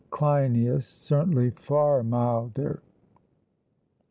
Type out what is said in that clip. CLEINIAS: Certainly, far milder.